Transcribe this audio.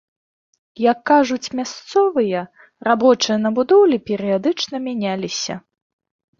Як кажуць мясцовыя, рабочыя на будоўлі перыядычна мяняліся.